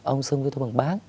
ông xâm cứu tôi bằng bác